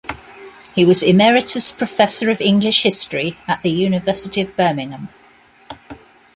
He was Emeritus Professor of English History at the University of Birmingham.